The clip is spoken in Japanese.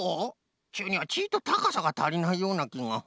っちゅうにはちいとたかさがたりないようなきが。